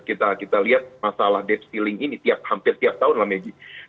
kita lihat masalah debt ceiling ini hampir setiap tahun lah maggie